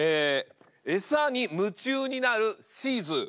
餌に夢中になるシーズー。